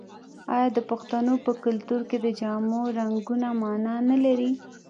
آیا د پښتنو په کلتور کې د جامو رنګونه مانا نلري؟